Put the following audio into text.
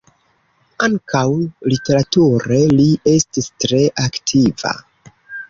Ankaŭ literature li estis tre aktiva.